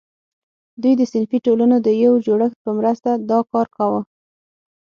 دوی د صنفي ټولنو د یو جوړښت په مرسته دا کار کاوه.